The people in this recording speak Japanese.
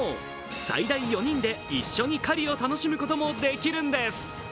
最大４人で一緒に狩りを楽しむこともできるんです。